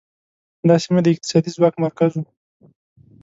دا سیمه د اقتصادي ځواک مرکز و